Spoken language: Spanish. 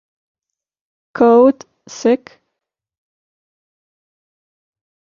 Code, Sec.